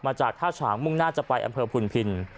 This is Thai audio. จากท่าฉางมุ่งหน้าจะไปอำเภอพุนพิน